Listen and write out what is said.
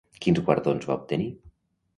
Quins guardons va obtenir?